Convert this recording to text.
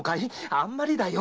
あんまりだよ。